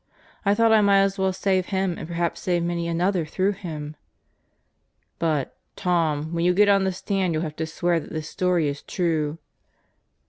I thought I might as well save him and perhaps save many another through him." "But, Tom, when you get on the stand you'll have to swear that this story is true."